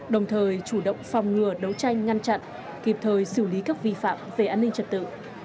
đồng thời chủ động phòng ngừa đấu tranh ngăn chặn kịp thời xử lý các vi phạm về an ninh trật tự